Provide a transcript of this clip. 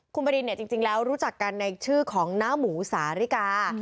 คุณบรินเนี่ยจริงแล้วรู้จักกันในชื่อของน้าหมูสาริกา